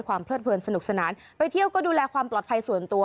เลิดเพลินสนุกสนานไปเที่ยวก็ดูแลความปลอดภัยส่วนตัว